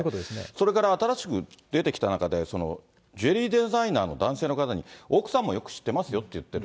それから新しく出てきた中で、ジュエリーデザイナーの男性の方に奥さんもよく知ってますよって言ってる。